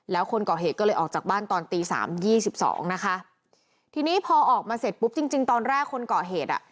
แล้วคนก่อเหตุก็เลยออกจากบ้านตอนตีสามยี่สิบสองนะคะทีนี้พอออกมาเสร็จปุ๊บจริงจริงตอนแรกคนก่อเหตุอ่ะ